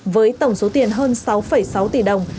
với tổng số tiền hơn sáu sáu tỷ đồng